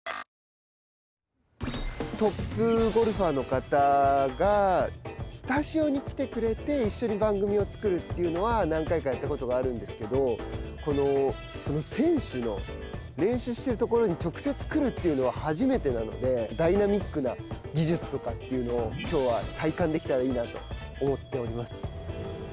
トップゴルファーの方がスタジオに来てくれて、一緒に番組を作るというのは何回かやったことがあるんですけど、選手の練習しているところに直接来るというのは初めてなので、ダイナミックな技術とかというのをきょうは体感できたらいいなと思っております。